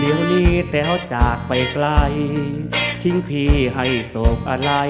เดี๋ยวนี้แต้วจากไปไกลทิ้งพี่ให้โศกอะไร